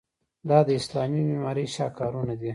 دا د اسلامي معمارۍ شاهکارونه دي.